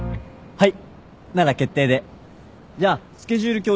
はい。